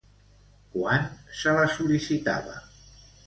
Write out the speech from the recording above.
Quan se la sol·licitava?